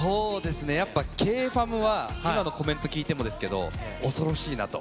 やっぱＫｆａｍは、今のコメント聞いてもですけど、恐ろしいなと。